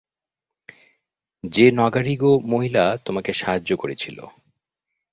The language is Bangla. যে নগারিগো মহিলা তোমাকে সাহায্য করেছিল।